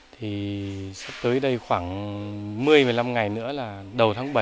thì tới đây khoảng một mươi một mươi năm ngày nữa là đầu tháng bảy